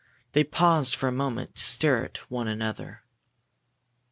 They paused for a moment to stare at one another.